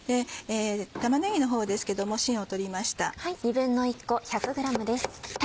玉ねぎの方ですけどもしんを取りました。